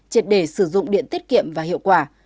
triệt đề sử dụng điện tiết kiệm và hiệu quả